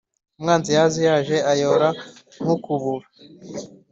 Umwanzi yaje yaje Ayora nk’ukubura